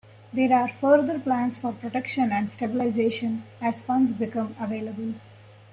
There are further plans for protection and stabilization as funds become available.